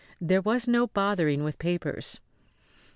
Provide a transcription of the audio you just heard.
There was no bothering with papers.